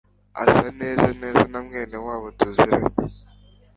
Asa neza neza na mwene wabo tuziranye